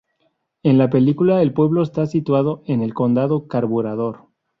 En la película el pueblo está situado en el condado Carburador.